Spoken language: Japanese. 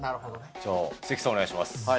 じゃあ、関さん、お願いします。